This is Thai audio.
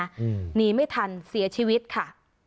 หนีไม่ทันเสียชีวิตค่ะ